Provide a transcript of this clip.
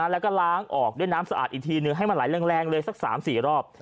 แล้วก็ล้างออกด้วยน้ำสะอาดอีกทีนึงให้มันไหลแรงเลยสัก๓๔รอบ